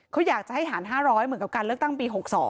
เขาอยากจะให้หาร๕๐๐เหมือนกับการเลือกตั้งปี๖๒